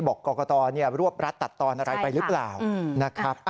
บอกกรกตรวบรัดตัดตอนอะไรไปหรือเปล่านะครับ